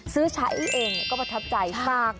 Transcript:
ซื้อใช้เองก็ประทับใจมาก